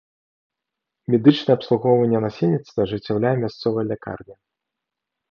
Медычнае абслугоўванне насельніцтва ажыццяўляе мясцовая лякарня.